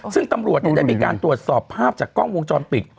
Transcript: ซึ่งตำรวจได้มีการตรวจสอบภาพจากกล้องวงจรปิด